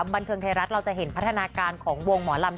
บันเทิงไทยรัฐเราจะเห็นพัฒนาการของวงหมอลำ